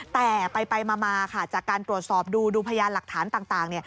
แต่ไปมาจากการตรวจสอบดูพยานหลักฐานต่าง